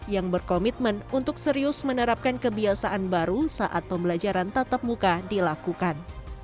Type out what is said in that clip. yang berkomitmen untuk serius menerapkan kebiasaan baru saat pembelajaran tatap muka dilakukan